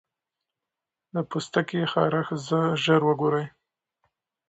د پوستکي خارښت ژر وګورئ.